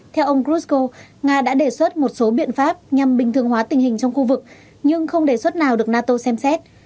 theo ông grusho nga đã đề xuất một số biện pháp nhằm bình thường hóa tình hình trong khu vực nhưng không đề xuất nào được nato xem xét